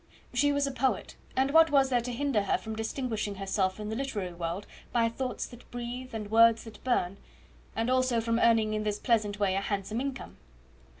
She was a poet; and what was there to hinder her from distinguishing herself in the literary world by thoughts that breathe and words that burn; and also from earning in this pleasant way a handsome income.